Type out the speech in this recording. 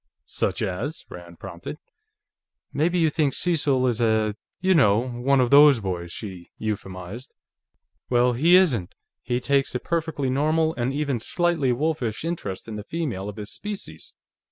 "Such as?" Rand prompted. "Maybe you think Cecil is a you know one of those boys," she euphemized. "Well, he isn't. He takes a perfectly normal, and even slightly wolfish, interest in the female of his species.